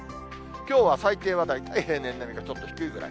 きょうは最低は大体平年並みかちょっと低いくらい。